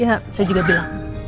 ya saya juga bilang